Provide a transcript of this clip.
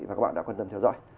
và các bạn đã quan tâm theo dõi